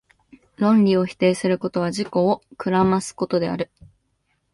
論理を否定することは、自己を暗ますことである。